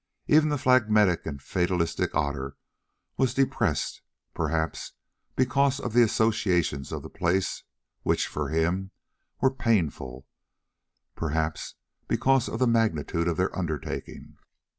Even the phlegmatic and fatalistic Otter was depressed, perhaps because of the associations of the place, which, for him, were painful, perhaps because of the magnitude of their undertaking.